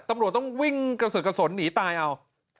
ตำรวจต้องวิ่งกระสือกระสนหนีตายเอา